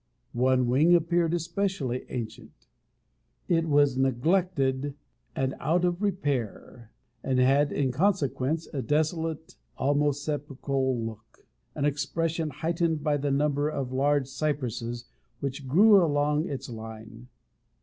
One wing appeared especially ancient. It was neglected and out of repair, and had in consequence a desolate, almost sepulchral look, an expression heightened by the number of large cypresses which grew along its line.